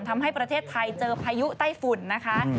ทำให้ประเทศไทยเจอพายุไต้ฝุ่นนะคะ